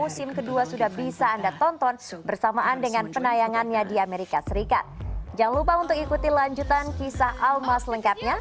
sampai jumpa di video selanjutnya